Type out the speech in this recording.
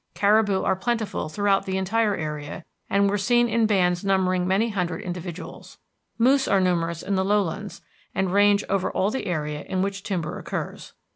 Caribou are plentiful throughout the entire area, and were seen in bands numbering many hundred individuals. Moose are numerous in the lowlands, and range over all the area in which timber occurs.